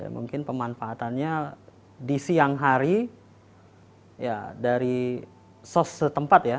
mungkin pemanfaatannya di siang hari dari sos setempat ya